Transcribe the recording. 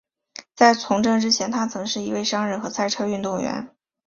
在从政之前他曾是一位商人和赛车运动员。